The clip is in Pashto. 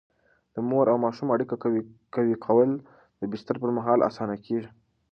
د مور او ماشوم اړیکه قوي کول د بستر پر مهال اسانه کېږي.